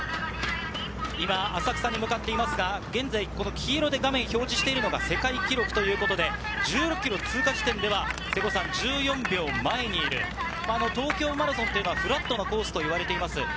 今、浅草に向かっていますが黄色で画面を表示しているのが世界記録ということで、１６ｋｍの通過時点では１４秒前にいる、東京マラソンはフラットなコースと言われています。